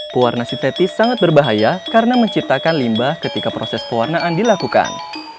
pewarna sintetis sangat berbahaya karena menciptakan limbah ketika proses pewarnaan dilakukan